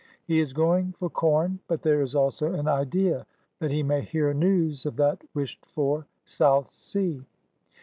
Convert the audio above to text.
He is going for com, but there is also an idea that he may hear news of that wished f or South Sea.